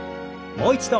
もう一度。